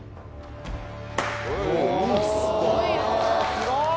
すごい。